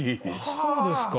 そうですか？